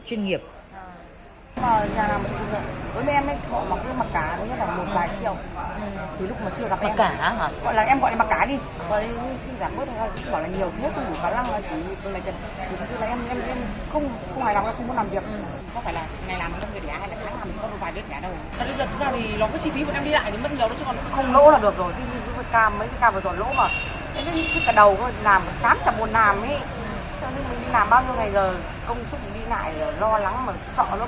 thế nên mình đi làm bao nhiêu ngày giờ công sức đi lại là lo lắng mà sợ lắm